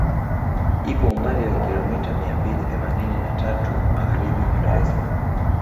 Ipo umbali wa kilometa mia mbili themanini na tatu magharibi kwa Dar es Salaam